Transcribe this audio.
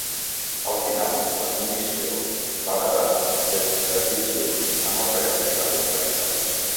Al final, la comissió va basar la seva decisió en el preu i la complexitat.